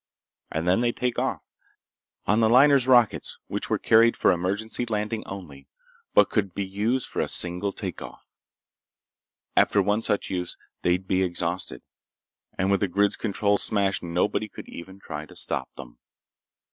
And then they'd take off. On the liner's rockets, which were carried for emergency landing only, but could be used for a single take off. After one such use they'd be exhausted. And with the grid's controls smashed, nobody could even try to stop them.